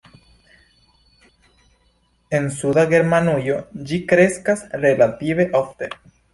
En suda Germanujo ĝi kreskas relative ofte.